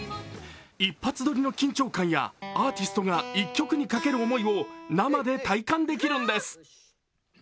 一発撮りの緊張感やアーティストが１曲にかける思いを生で体感できるんです。